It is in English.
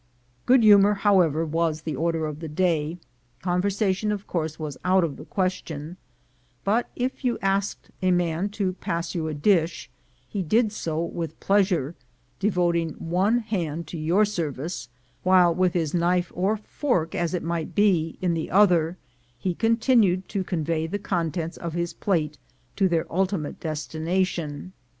Good humor, however, was the order of the day; conversation, of course, was out of the question ; but if you asked a man to pass you a dish, he did do so with pleasure, devoting one hand to your service, while with his knife or fork, as it might be, in the other, he continued to convey the contents of his plate to their ultimate destination.